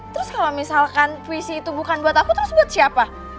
terus kalau misalkan puisi itu bukan buat aku terus buat siapa